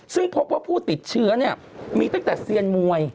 ซึ่งพบว่าผู้ติดเชื้อเนี่ยมีตั้งแต่เซียนมวย